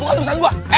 bukan urusan gue